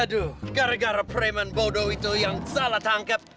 aduh gara gara preman bodoh itu yang salah tangkap